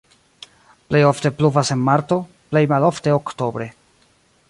Plej ofte pluvas en marto, plej malofte oktobre.